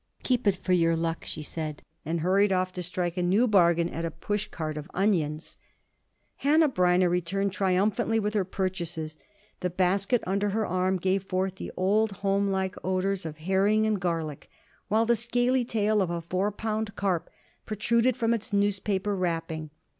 "Keep it for your luck," she said, and hurried off to strike a new bargain at a push cart of onions. Hanneh Breineh returned triumphantly with her purchases. The basket under her arm gave forth the old, homelike odors of herring and garlic, while the scaly tail of a four pound carp protruded from its newspaper wrapping.